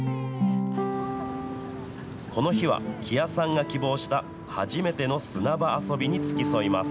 この日は木屋さんが希望した初めての砂場遊びに付き添います。